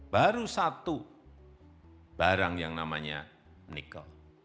baru satu barang yang namanya nikel